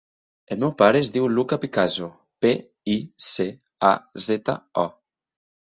El meu pare es diu Luka Picazo: pe, i, ce, a, zeta, o.